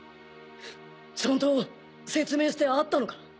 ちゃんと説明してあったのか？